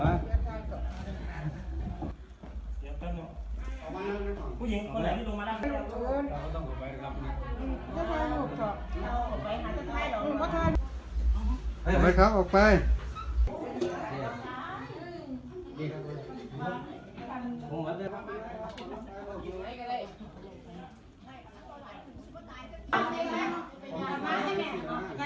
เตียบเต้นหนูเอามาผู้หญิงเขาแหละไม่ดูมาแล้ว